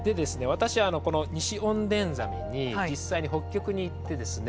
私あのこのニシオンデンザメに実際に北極に行ってですね